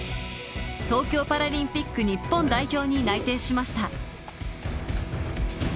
東京パラリンピック日本代表に内定しました。